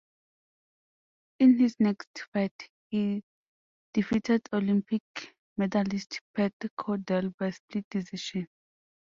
In his next fight, he defeated Olympic medalist Pat Cowdell by split decision.